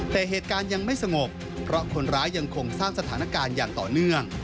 แต่เหตุการณ์ยังไม่สงบเพราะคนร้ายยังคงสร้างสถานการณ์อย่างต่อเนื่อง